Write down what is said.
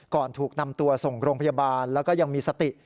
ถูกนำตัวส่งโรงพยาบาลแล้วก็ยังมีสติ